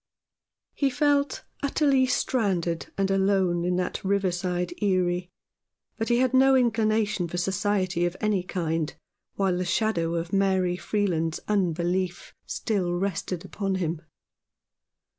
He felt utterly stranded and alone in that river side aerie ; but he had no in clination for society of any kind while the shadow of Mary Freeland's unbelief still rested upon him.